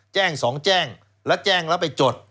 แจ้ง๒แจ้งแล้วแจ้งแล้วไปจด